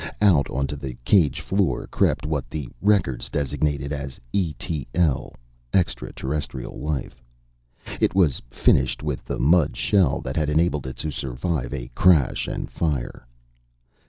Out onto the cage floor crept what the records designated as E.T.L. Extra Terrestrial Life. It was finished with the mud shell that had enabled it to survive a crash and fire.